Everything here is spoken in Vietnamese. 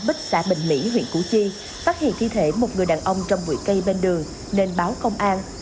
bích xã bình mỹ huyện củ chi phát hiện thi thể một người đàn ông trong bụi cây bên đường nên báo công an